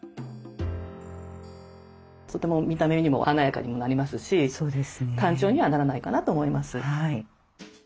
とても見た目にも華やかにもなりますし単調にはならないかなと思います。